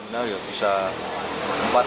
nah ya bisa empat sampai lima juta